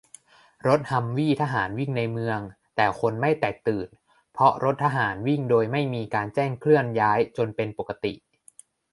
- รถฮัมวี่ทหารวิ่งในเมือง แต่คนไม่แตกตื่น เพราะรถทหารวิ่งโดยไม่มีการแจ้งเคลื่อนย้ายจนเป็นปกติ